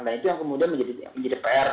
nah itu yang kemudian menjadi pr